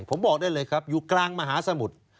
ผมบอกได้เลยครับอยู่กลางมหาสมุทร